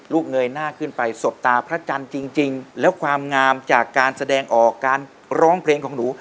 เงยหน้าขึ้นไปสบตาพระจันทร์จริงแล้วความงามจากการแสดงออกการร้องเพลงของหนู